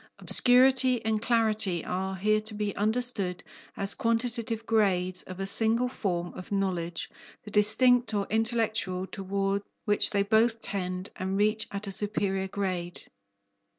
Obscurity and clarity are here to be understood as quantitative grades of a single form of knowledge, the distinct or intellectual, toward which they both tend and reach at a superior grade.